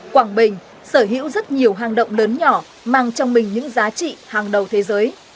quảng bình sở hữu rất nhiều hang động lớn nhỏ mang trong mình những giá trị hàng đầu thế giới